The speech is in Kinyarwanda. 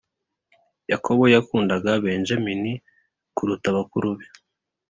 Yakobo yakundaga benjamini kuruta bakuru be